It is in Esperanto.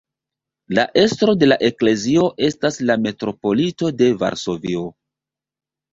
La estro de la eklezio estas la metropolito de Varsovio.